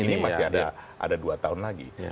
ini masih ada dua tahun lagi